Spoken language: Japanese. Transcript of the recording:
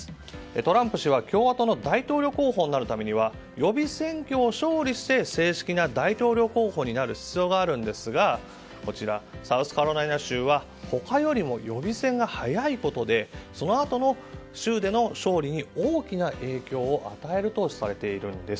トランプ氏は共和党の大統領候補になるためには予備選挙を勝利して正式な大統領候補になる必要があるんですがサウスカロライナ州は他よりも予備選が早いことでそのあとの州での勝利に大きな影響を与えるとされているんです。